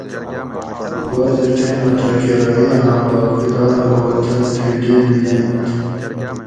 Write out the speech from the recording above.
بعض ٹیمہ تہ کۤرائ آۤں باقی دار ہو تن تھی ڈیبی یۤنت